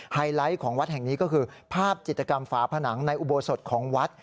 ไฮไลท์ของวัดแห่งนี้ก็คือภาพจิตกรรมฝาผนังในอุโบสถของวัด